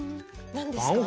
何ですか？